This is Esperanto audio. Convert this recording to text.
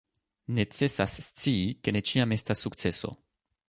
Necesas scii, ke ne ĉiam estas sukceso.